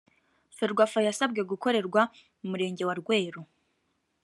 ferwafa yasabwe gukorerwa mu murenge wa rweru